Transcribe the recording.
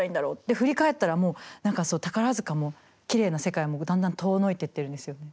振り返ったら宝塚もきれいな世界もだんだん遠のいていってるんですよ。